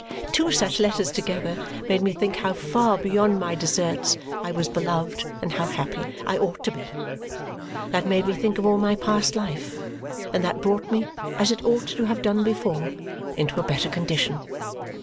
Two such letters together made me think how far beyond my deserts I was beloved and how happy I ought to be. That made me think of all my past life; and that brought me, as it ought to have done before, into a better condition.